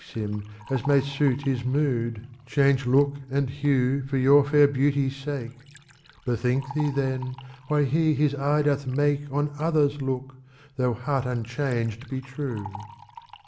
27 CANZONIERE Change look and hue for your fair beauty's sake : Bethink thee, then, why he his eye doth make On others look, though heart unchanged be true."